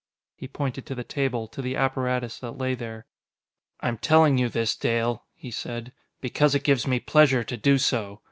He pointed to the table, to the apparatus that lay there. "I'm telling you this, Dale," he said, "because it gives me pleasure to do so.